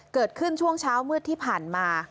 เกิดขึ้นช่วงเช้ามืดที่ผ่านมา